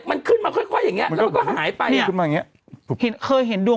มันไม่ได้ยินด้วยทางนู้นแล้ว